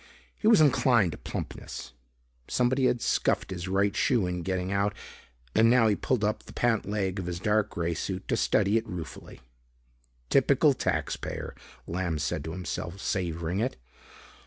He was inclined to plumpness. Somebody had scuffed his right shoe in getting out and now he pulled up the pant leg of his dark grey suit to study it ruefully. "Typical taxpayer," Lamb said to himself, savoring it.